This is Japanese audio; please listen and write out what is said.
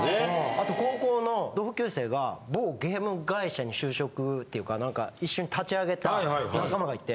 あと高校の同級生が某ゲーム会社に就職っていうかなんか一緒に立ち上げた仲間がいて。